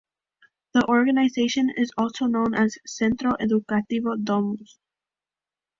The organization is also known as "Centro Educativo Domus".